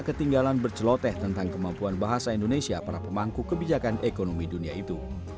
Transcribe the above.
ketinggalan berceloteh tentang kemampuan bahasa indonesia para pemangku kebijakan ekonomi dunia itu